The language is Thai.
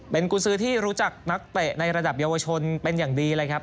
เป็นกุญซื้อที่รู้จักนักเตะในระดับเยาวชนเป็นอย่างดีเลยครับ